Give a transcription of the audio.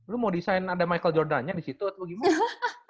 lu mau desain ada michael jordannya di situ atau gimana